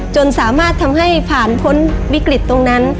จนสามารถทำให้ผ่านพ้นวิกฤตตรงนั้น